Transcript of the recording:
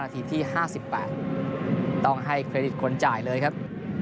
ทีที่๕๘ต้องให้เครดิตคนจ่ายเลยครับ